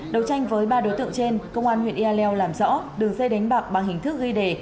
đầu tranh với ba đối tượng trên công an huyện yà lèo làm rõ đường dây đánh bạc bằng hình thức ghi đề